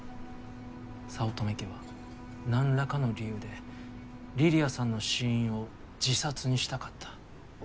早乙女家は何らかの理由で梨里杏さんの死因を自殺にしたかった。